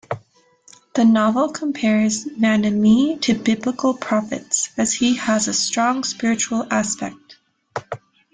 The novel compares Vanamee to biblical prophets, as he has a strong spiritual aspect.